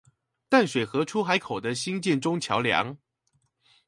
淡水河出海口的興建中橋梁